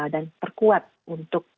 dan terkuat untuk